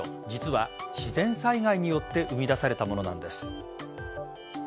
実は自然災害によって生み出されたものなんです。